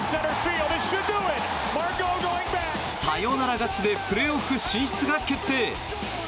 サヨナラ勝ちでプレーオフ進出が決定。